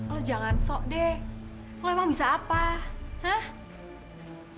lu jangan sok deh lu emang bisa apa hah